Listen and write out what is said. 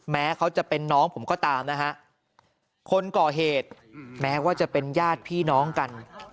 แม้เขาจะเป็นน้องผมก็ตามนะฮะคนก่อเหตุแม้ว่าจะเป็นญาติพี่น้องกัน